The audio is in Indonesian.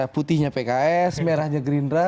putihnya pks merahnya gerindra